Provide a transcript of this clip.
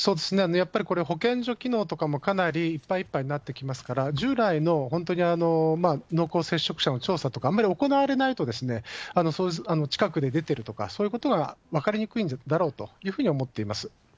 やっぱりこれ、保健所機能とかもかなりいっぱいいっぱいになってきますから、従来の本当に濃厚接触者の調査とかあんまり行われないと、近くで出てるとか、そういうことは分かりにくいんだろうというふうには思っています。